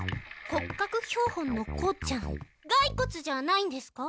骨格標本のコーちゃんがいこつじゃないんですか？